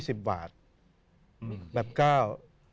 แบงค์๒๐วาทแบบก้าว